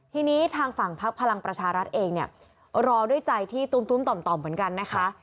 ทีนี้ทางฝั่งพักพลังประชารัฐเองเนี่ยรอด้วยใจที่ตุ้มต่อมเหมือนกันนะคะ